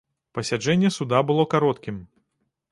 Пасяджэнне суда было кароткім.